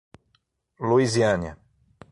Luisiânia